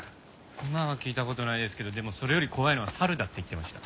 熊は聞いた事ないですけどでもそれより怖いのは猿だって言ってました。